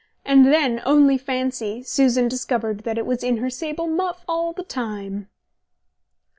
And then, only fancy, Susan discovered that it was in her sable muff all the time!